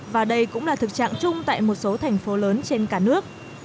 và đây cũng là thực trạng chung tại một số thành phố lớn trên cả nước